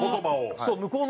そう。